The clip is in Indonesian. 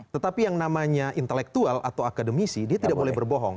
tetapi yang namanya intelektual atau akademisi dia tidak boleh berbohong